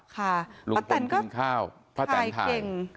ป้าแตนก็ถ่ายเก่ง